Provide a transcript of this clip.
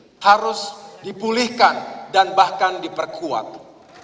pemerintah harus menguasai kekuatan dan kekuatan masyarakat dan memperkuatkan kekuatan masyarakat